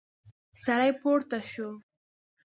سړی پورته شو.